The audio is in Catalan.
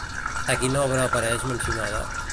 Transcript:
A quina obra apareix mencionada?